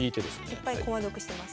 いっぱい駒得してます。